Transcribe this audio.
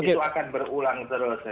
itu akan berulang terus